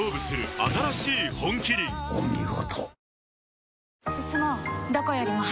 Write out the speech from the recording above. お見事。